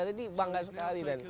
jadi bangga sekali ben